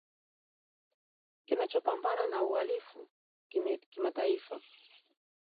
Kinachopambana na Uhalifu Kimataifa